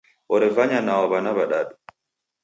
Orevanya nao w'ana w'adadu.